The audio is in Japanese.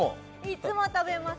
いつも食べます